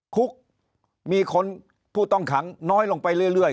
คุกมีคนผู้ต้องขังน้อยลงไปเรื่อย